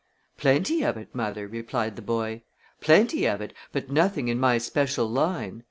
"Plenty of it, mother," replied the boy; "plenty of it, but nothing in my special line.